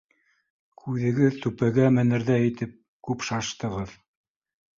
— Күҙегеҙ түпәгә менерҙәй итеп күп шаштығыҙ!